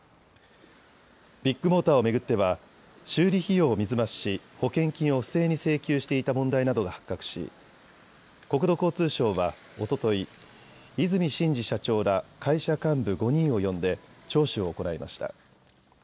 ビッグモーターを巡っては修理費用を水増しし保険金を不正に請求していた問題などが発覚し国土交通省はおととい和泉伸二社長ら会社幹部５人を呼んで聴取を行いました。